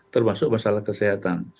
termasuk masalah kesehatan